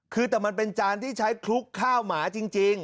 คือแต่มันเป็นจานที่ใช้คลุกข้าวหมาจริง